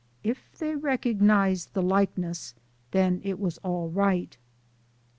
If they recognized the likeness, then it was all right.